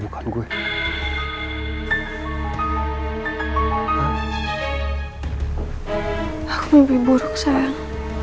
aku mimpi buruk sayang